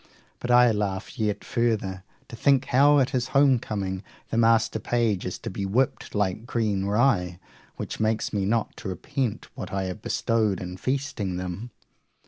But I laugh yet further to think how at his home coming the master page is to be whipped like green rye, which makes me not to repent what I have bestowed in feasting them.